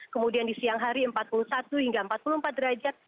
kemudian di siang hari empat puluh satu hingga empat puluh empat derajat